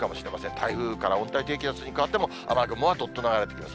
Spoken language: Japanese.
台風から温帯低気圧に変わっても、雨雲はどっと流れてきます。